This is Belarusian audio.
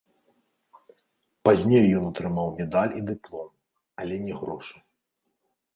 Пазней ён атрымаў медаль і дыплом, але не грошы.